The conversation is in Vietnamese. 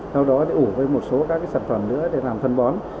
sau đó để ủ với một số các sản phẩm nữa để làm phân bón